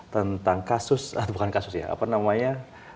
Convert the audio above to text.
tentang kasus bukan kasus ya